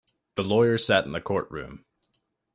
The lawyer sat in the courtroom.